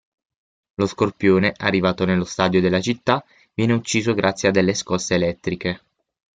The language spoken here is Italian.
Lo scorpione, arrivato nello stadio della città, viene ucciso grazie a delle scosse elettriche.